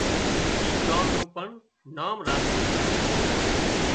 اي ڳام نُون پڻ نام راڇوُن جھون